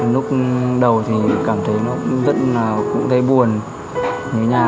lúc đầu thì cảm thấy rất buồn nhớ nhà